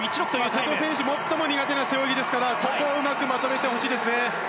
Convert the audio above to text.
瀬戸選手最も苦手な背泳ぎですからここをうまくまとめてほしいですね。